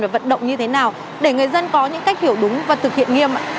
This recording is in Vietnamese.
để vận động như thế nào để người dân có những cách hiểu đúng và thực hiện nghiêm ạ